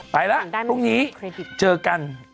ไปแล้วพรุ่งนี้เจอกัน